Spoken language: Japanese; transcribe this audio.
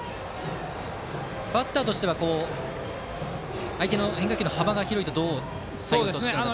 バッターとしては相手の変化球の幅が広いとどうですか？